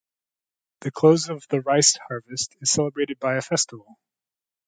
The close of the rice-harvest is celebrated by a festival.